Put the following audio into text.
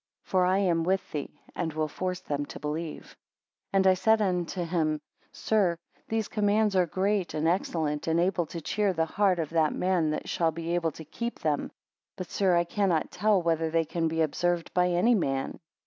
For I am with thee, and will force them to believe. 14 And I said unto him, Sir, these commands are great and excellent, and able to cheer the heart of that man that shall be able to keep them. But, Sir, I cannot tell, whether they can be observed by any man?